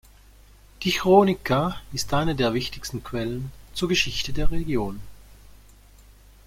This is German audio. Die "Chronica" ist eine der wichtigsten Quellen zur Geschichte der Region.